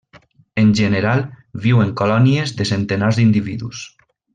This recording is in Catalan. En general, viu en colònies de centenars d'individus.